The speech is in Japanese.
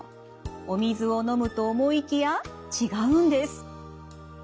お水を飲むと思いきや違うんです。